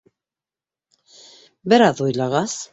Бер аҙ уйлағас: